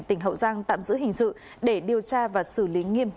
tỉnh hậu giang tạm giữ hình sự để điều tra và xử lý nghiêm